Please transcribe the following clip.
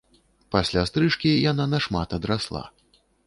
Пасля стрыжкі яна на шмат адрасла.